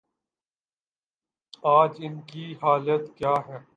آج ان کی حالت کیا ہے؟